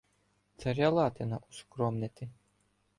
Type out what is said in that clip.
Царя Латина ускромнити